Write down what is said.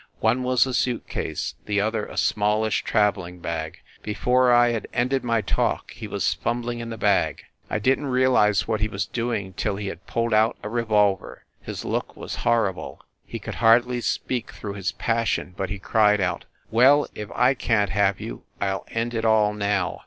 One was a suit case, the other a smallish traveling bag. Be fore I had ended my talk he was fumbling in the bag. I didn t realize what he was doing till he had pulled out a revolver. His look was horrible he could hardly speak through his passion, but he cried out : "Well, if I can t have you I ll end it all now